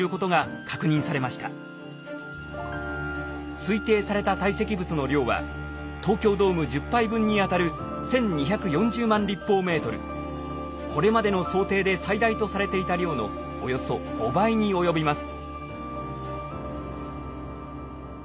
推定された堆積物の量は東京ドーム１０杯分にあたるこれまでの想定で最大とされていた量のおよそ５倍に及びます。